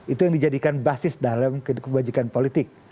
itu yang dijadikan basis dalam kebajikan politik